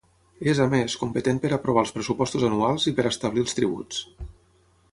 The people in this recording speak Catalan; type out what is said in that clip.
És, a més, competent per aprovar els pressupostos anuals i per establir els tributs.